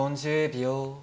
４０秒。